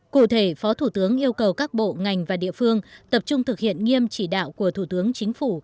cụ thể phó thủ tướng yêu cầu các bộ ngành và địa phương tập trung thực hiện nghiêm chỉ đạo của thủ tướng chính phủ